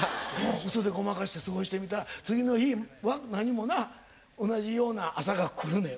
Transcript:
嘘でごまかして過ごしてみたら次の日は何もな同じような朝が来るねん。